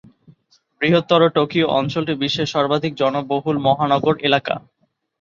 বৃহত্তর টোকিও অঞ্চলটি বিশ্বের সর্বাধিক জনবহুল মহানগর এলাকা।